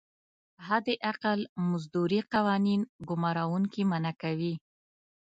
حداقل مزدوري قوانین ګمارونکي منعه کوي.